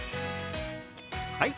はい！